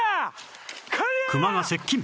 クマが接近！